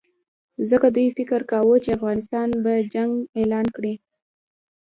ځکه دوی فکر کاوه چې افغانستان به جنګ اعلان کړي.